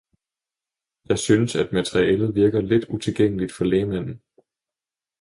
Jeg synes at materialet virker lidt utilgængeligt for lægmanden.